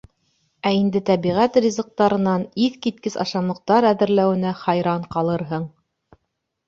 Ә инде тәбиғәт ризыҡтарынан иҫ киткес ашамлыҡтар әҙерләүенә хайран ҡалырһың.